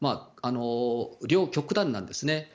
両極端なんですね。